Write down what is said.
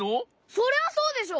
そりゃそうでしょ？